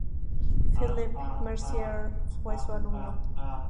Philippe Mercier fue su alumno.